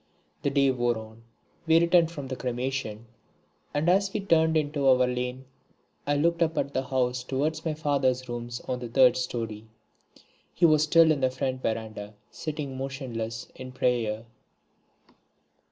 The day wore on, we returned from the cremation, and as we turned into our lane I looked up at the house towards my father's rooms on the third storey. He was still in the front verandah sitting motionless in prayer.